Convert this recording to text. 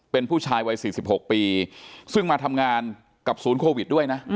เป็นผู้ชายวัย๔๖ปีซึ่งมาทำงานกับศูนย์โควิดด้วยนะ